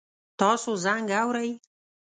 تاسو زنګ اورئ؟